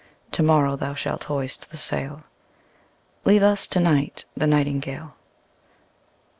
To morrow thou shalt hoist the sail; Leave us to night the nightingale.